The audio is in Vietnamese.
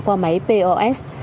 qua máy pos